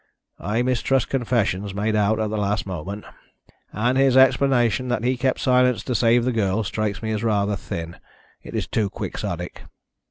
I mistrust confessions made out at the last moment. And his explanation that he kept silence to save the girl strikes me as rather thin. It is too quixotic."